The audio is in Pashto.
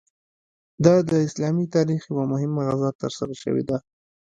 دا د اسلامي تاریخ یوه مهمه غزا ترسره شوې ده.